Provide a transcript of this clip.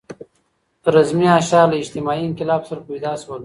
رزمي اشعار له اجتماعي انقلاب سره پیدا شول.